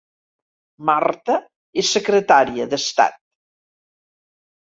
Marta és secretària d'Estat